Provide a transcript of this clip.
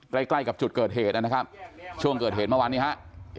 ใกล้ใกล้กับจุดเกิดเหตุนะครับช่วงเกิดเหตุเมื่อวานนี้ฮะ